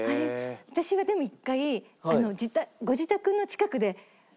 私はでも一回。